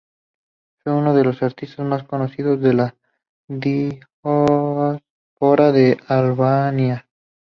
Fue uno de los artistas más conocidos de la diáspora de Albania.